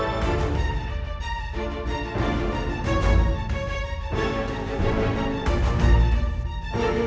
sienna mau tanam suami kamu